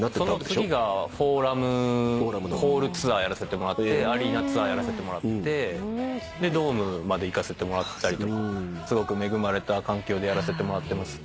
その次がフォーラムホールツアーやらせてもらってアリーナツアーやらせてもらってでドームまで行かせてもらったりとかすごく恵まれた環境でやらせてもらってます。